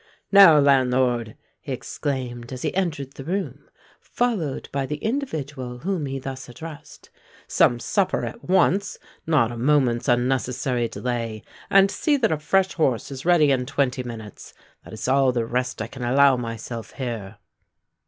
"Now, landlord," he exclaimed, as he entered the room, followed by the individual whom he thus addressed, "some supper at once—not a moment's unnecessary delay—and see that a fresh horse is ready in twenty minutes. That is all the rest I can allow myself here."